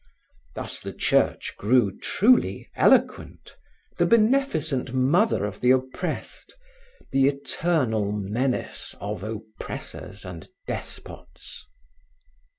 Thus the Church grew truly eloquent, the beneficent mother of the oppressed, the eternal menace of oppressors and despots.